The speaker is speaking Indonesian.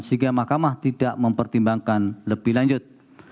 sehingga mahkamah tidak mempertimbangkan lebih lanjut